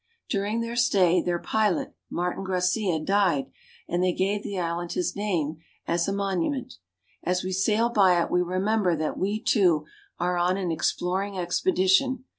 During their stay their pilot, Martin Gracia, died, and they gave the island his name as a monu ment. As we sail by it we remember that we, too, are on an exploring expedition.